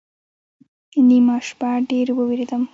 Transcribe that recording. نیمه شپه ډېر ووېرېدم